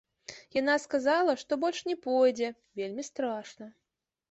Яна сказала, што больш не пойдзе, вельмі страшна.